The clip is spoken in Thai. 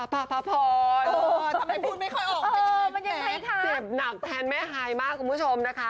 ภาพรทำไมพูดไม่ค่อยออกเจ็บหนักแทนแม่ฮายมากคุณผู้ชมนะคะ